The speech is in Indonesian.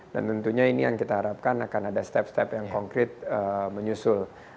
dan tentunya ini yang kita harapkan akan ada step step yang konkret menyusul